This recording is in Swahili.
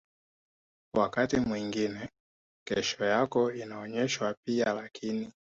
wakati mwingine kesho yako inaonyeshwa pia Lakini